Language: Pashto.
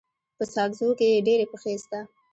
په ساکزو کي ډيري پښي سته.